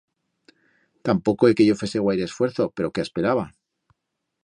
Tapoco é que yo fese guaire esfuerzo, pero qué asperaba?